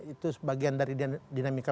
itu sebagian dari dinamika